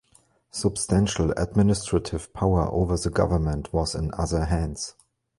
Substantial administrative power over the government was in other hands.